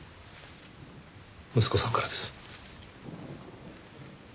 息子さんからです。